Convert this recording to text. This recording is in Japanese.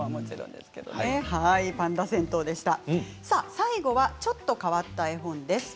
最後はちょっと変わった絵本です。